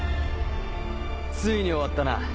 ついに終わったな。